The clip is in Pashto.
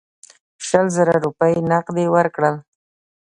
شل زره روپۍ نغدي ورکړل.